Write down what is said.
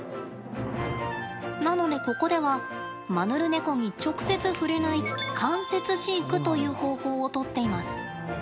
なので、ここではマヌルネコに直接触れない間接飼育という方法を取っています。